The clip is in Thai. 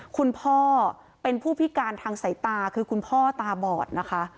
คุณพ่อเป็นผู้พิการทางสายตาคือคุณพ่อตาบอดนะคะ